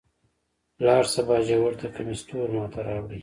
لاړ شه باجوړ ته کمیس تور ما ته راوړئ.